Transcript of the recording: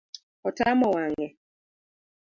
Otamo wang’e